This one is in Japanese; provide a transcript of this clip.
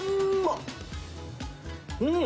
うん。